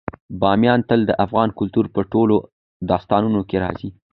بامیان تل د افغان کلتور په ټولو داستانونو کې راځي.